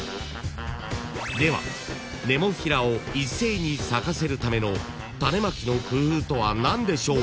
［ではネモフィラを一斉に咲かせるための種まきの工夫とは何でしょう］